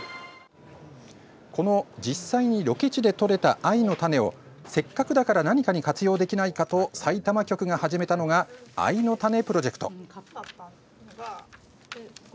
この実際にロケ地でとれた藍の種をせっかくだから何かに活用できないかとさいたま局が始めたのが藍のたねプロジェクト。